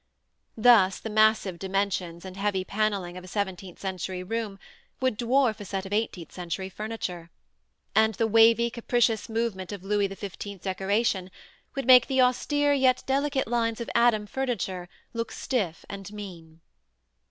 Thus the massive dimensions and heavy panelling of a seventeenth century room would dwarf a set of eighteenth century furniture; and the wavy, capricious movement of Louis XV decoration would make the austere yet delicate lines of Adam furniture look stiff and mean.